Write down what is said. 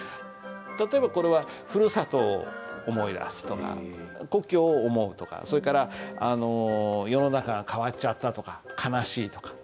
例えばこれはふるさとを思い出すとか故郷を思うとかそれからあの世の中が変わっちゃったとか悲しいとか。